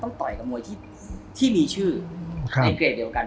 ต่อยกับมวยที่มีชื่อในเกรดเดียวกัน